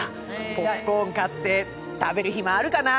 ポップコーン買って食べる暇あるかな？